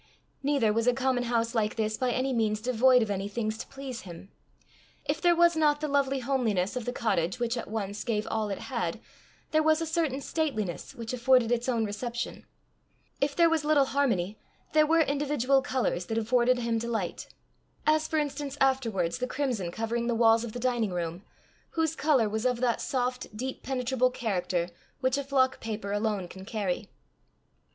Neither was a common house like this by any means devoid of any things to please him. If there was not the lovely homeliness of the cottage which at once gave all it had, there was a certain stateliness which afforded its own reception; if there was little harmony, there were individual colours that afforded him delight as for instance, afterwards, the crimson covering the walls of the dining room, whose colour was of that soft deep penetrable character which a flock paper alone can carry.